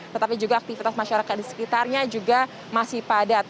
tetapi juga aktivitas masyarakat di sekitarnya juga masih padat